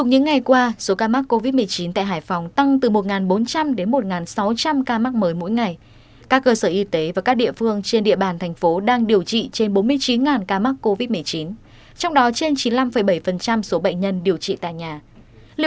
hãy đăng ký kênh để ủng hộ kênh của chúng mình nhé